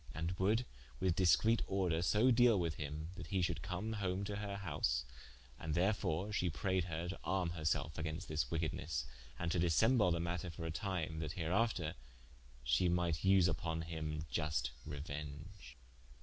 And would with discrete order so deale with him, that he should come home to her house, and therefore shee prayed her to arme herselfe against this wickednes, and to dissemble the matter for a time, that hereafter she might vse vpon him iust reuenge.